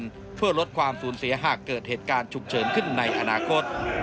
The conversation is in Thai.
ความเคยชินเพื่อลดความศูนย์เสียหากเกิดเหตุการณ์ฉุกเฉินขึ้นในอนาคต